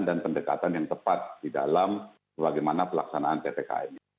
dan pendekatan yang tepat di dalam bagaimana pelaksanaan ppkm